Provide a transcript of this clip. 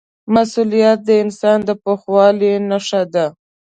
مسؤلیت د انسان د پوخوالي نښه ده.